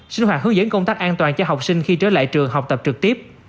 sinh hoạt hướng dẫn công tác an toàn cho học sinh khi trở lại trường học tập trực tiếp